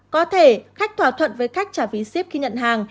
có thể khách thỏa thuận với khách trả phí ship khi nhận hàng